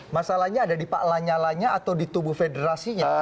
masalahnya ada di pak lanyalanya atau di tubuh federasinya